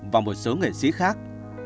và một số nghệ sĩ khác